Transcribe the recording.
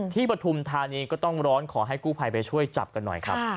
ปฐุมธานีก็ต้องร้อนขอให้กู้ภัยไปช่วยจับกันหน่อยครับ